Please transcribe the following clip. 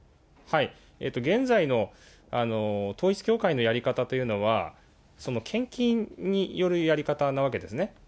現在の統一教会のやり方というのは、献金によるやり方なわけですね。